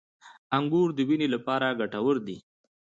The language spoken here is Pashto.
• انګور د وینې لپاره ګټور دي.